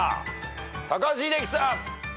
高橋英樹さん。